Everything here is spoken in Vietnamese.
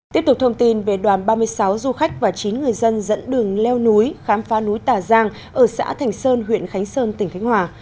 tiếp tục thông tin về đoàn ba mươi sáu du khách và chín người dân dẫn đường leo núi khám phá núi tà giang ở xã thành sơn huyện khánh sơn tỉnh khánh hòa